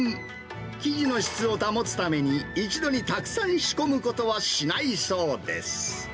生地の質を保つために、一度にたくさん仕込むことはしないそうです。